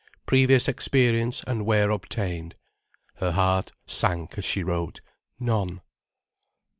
"Previous experience and where obtained:..." Her heart sank as she wrote: "None."